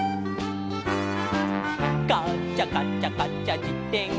「カチャカチャカチャじてん